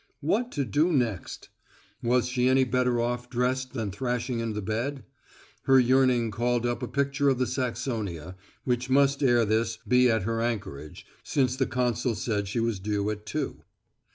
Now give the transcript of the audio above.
What to do next? Was she any better off dressed than thrashing in the bed? Her yearning called up a picture of the Saxonia, which must ere this be at her anchorage, since the consul said she was due at two.